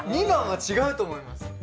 ２番は違うと思います。